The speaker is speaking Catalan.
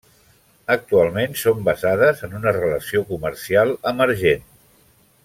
Actualment són basades en una relació comercial emergent.